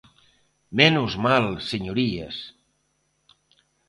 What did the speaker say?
¡Menos mal, señorías!